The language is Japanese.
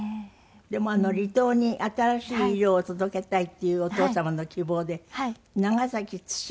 でも離島に新しい医療を届けたいっていうお父様の希望で長崎対馬